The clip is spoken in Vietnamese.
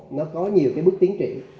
nó có nhiều cái bước tiến trị